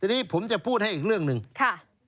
ทีนี้ผมจะพูดให้อีกเรื่องหนึ่งค่ะ